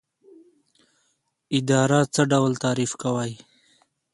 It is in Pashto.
اداره څه ډول تعریف کوئ؟